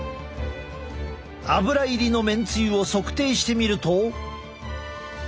アブラ入りのめんつゆを測定してみると。